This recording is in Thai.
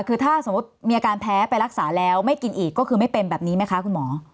คือถ้าสมมุติมีอาการแพ้ไปรักษาแล้วไม่กินอีกก็คือไม่เป็นแบบนี้ไหมคะคุณหมอ